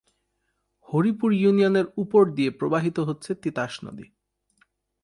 হরিপুর ইউনিয়নের উপর দিয়ে প্রবাহিত হচ্ছে তিতাস নদী।